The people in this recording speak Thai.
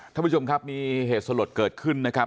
ท่านผู้ชมครับมีเหตุสลดเกิดขึ้นนะครับ